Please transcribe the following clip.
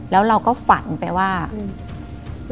แล้วเราก็ฝันไปว่าอืม